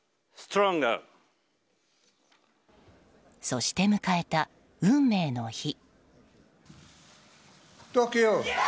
そして迎えた、運命の日。